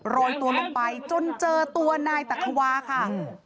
โรยตัวลงไปจนเจอตัวนายตักขวาค่ะ